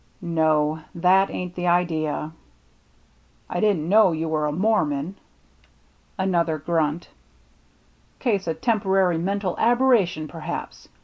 " No, that ain't the idea." " I didn't know you were a Mormon." BURNT COVE 133 Another grunt. " Case o* temporary mental aberration, per haps.